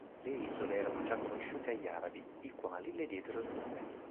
Le isole erano già conosciute agli arabi, i quali le diedero il nome.